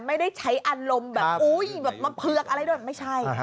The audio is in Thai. ไม่ได้ใช้อารมณ์แบบอุ๊ยแบบมาเผือกอะไรด้วยไม่ใช่